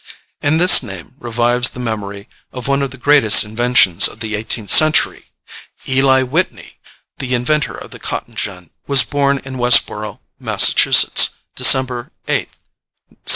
And this name revives the memory of one of the greatest inventions of the eighteenth century. Eli Whitney, the inventor of the cotton gin, was born in Westborough, Massachusetts, December 8, 1765.